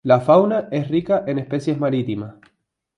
La fauna es rica en especies marítimas.